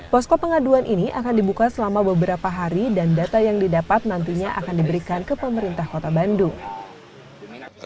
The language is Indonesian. posko pengaduan ini akan dibuka selama beberapa hari dan data yang didapat nantinya akan diberikan ke pemerintah kota bandung